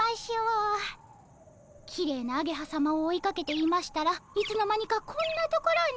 きれいなアゲハさまを追いかけていましたらいつの間にかこんな所に。